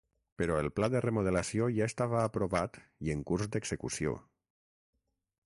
Però el Pla de Remodelació ja estava aprovat i en curs d'execució.